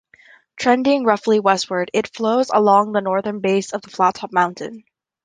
Trending roughly westward, it flows along the northern base of Flattop Mountain.